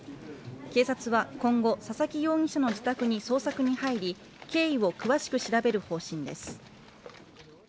警察は今後、佐々木容疑者の自宅に捜索に入り、経緯を詳しく調べる方針です。